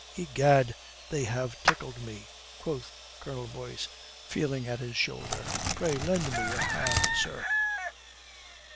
"Egad, they have tickled me," quoth Colonel Boyce, feeling at his shoulder. "Pray, lend me your hand, sir."